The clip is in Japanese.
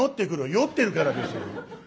酔ってるからですよ。